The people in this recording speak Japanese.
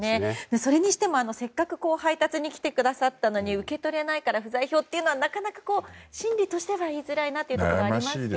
それにしても、せっかく配達に来てくださったのに受け取れないから不在票というのはなかなか心理としては言いづらいところがありますが。